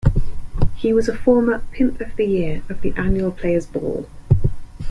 He was a former "Pimp of the Year" of the annual Players Ball.